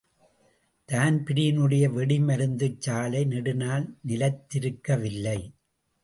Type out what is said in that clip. தான்பிரீனுடைய வெடிமருந்துச்சாலை நெடுநாள் நிலைத்திருக்கவில்லை.